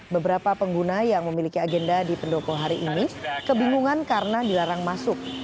beberapa pengguna yang memiliki agenda di pendopo hari ini kebingungan karena dilarang masuk